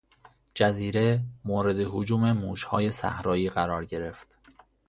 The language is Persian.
جزیره مورد هجوم موشهای صحرایی قرار گرفت.